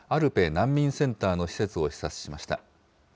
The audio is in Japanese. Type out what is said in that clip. なんみんセンターの施設を視察しました。